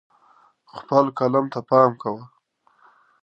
خپل قلم ته پام کوه.